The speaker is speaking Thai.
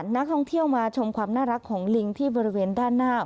นักท่องเที่ยวมาชมความน่ารักของลิงที่บริเวณด้านหน้า